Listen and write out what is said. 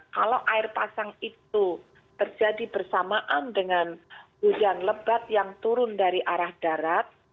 kalau air pasang itu terjadi bersamaan dengan hujan lebat yang turun dari arah darat